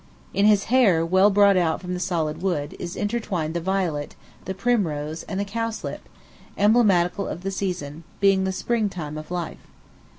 In his hair, well brought out from the solid wood, is intertwined the violet, the primrose, and the cow slip, emblematical of the season being the spring time of life.